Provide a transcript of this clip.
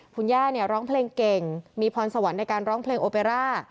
คุณย่าเนี่ยร้องเพลงเก่งมีพรสวรรค์ในการร้องเพลงโอเปร่า